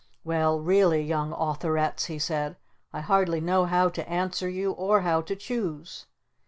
"Well really, Young Authorettes," he said, "I hardly know how to answer you or how to choose.